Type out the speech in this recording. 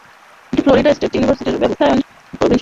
এটি Florida state university ব্যবস্থার প্রবীণ সদস্য।